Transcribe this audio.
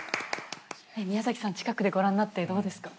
宮さん近くでご覧になってどうですか？